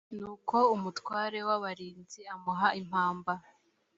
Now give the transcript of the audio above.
nuko umutware w abarinzi amuha impamba